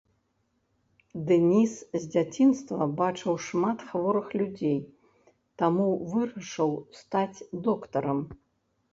Дэніс з дзяцінства бачыў шмат хворых людзей, таму вырашыў стаць доктарам.